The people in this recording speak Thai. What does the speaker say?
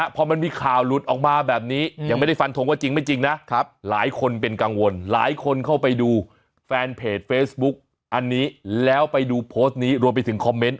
พอมันมีข่าวหลุดออกมาแบบนี้ยังไม่ได้ฟันทงว่าจริงไม่จริงนะหลายคนเป็นกังวลหลายคนเข้าไปดูแฟนเพจเฟซบุ๊กอันนี้แล้วไปดูโพสต์นี้รวมไปถึงคอมเมนต์